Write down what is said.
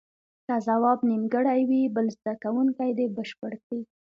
که ځواب نیمګړی وي بل زده کوونکی دې بشپړ کړي.